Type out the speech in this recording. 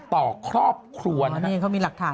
ต่อครอบครัวนะครับอ๋อนี่เขามีหลักฐาน